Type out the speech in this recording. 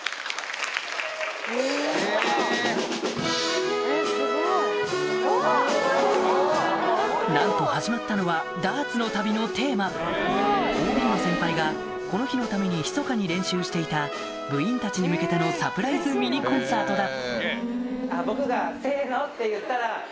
「ダーツの旅」のテーマなんと始まったのは「ダーツの旅」のテーマ ＯＢ の先輩がこの日のためにひそかに練習していた部員たちに向けてのサプライズミニコンサートだ